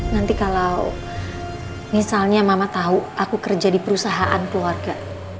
nanti kalau misalnya mama tahu aku kerja di perusahaan keluarga